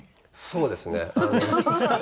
そうですね。